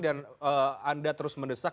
dan anda terus mendesak